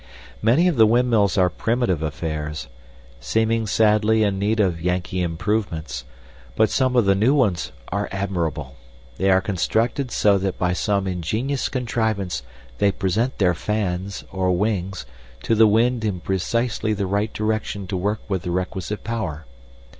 Many of the windmills are primitive affairs, seeming sadly in need of Yankee "improvements," but some of the new ones are admirable. They are constructed so that by some ingenious contrivance they present their fans, or wings, to the wind in precisely the right direction to work with the requisite power.